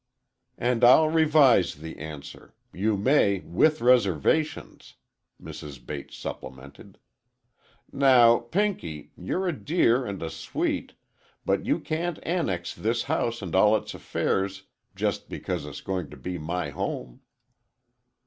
"And I'll revise the answer,—you may, with reservations," Mrs. Bates supplemented. "Now, Pinky, you're a dear and a sweet, but you can't annex this house and all its affairs, just because it's going to be my home."